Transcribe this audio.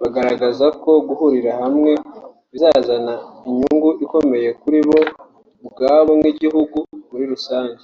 bagaragaza ko guhurira hamwe bizazana inyungu ikomeye kuri bo ubwabo n’igihugu muri rusange